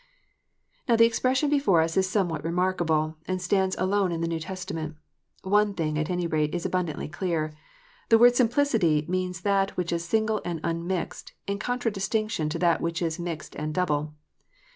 Now the expression before us is somewhat remarkable, and stands alone in the New Testament. One thing at any rate is abundantly clear : the word simplicity means that which is single and unmixed, in contradistinction to that which is mixed and double.